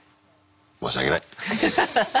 申し訳ない。